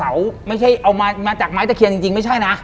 ไม่ใช่เอามาจากไม้ตะเคียนจริงไม่ใช่นะ